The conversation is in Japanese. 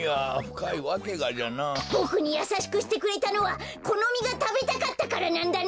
ボクにやさしくしてくれたのはこのみがたべたかったからなんだね！